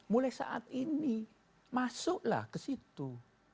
mulai saat ini masuklah ke situ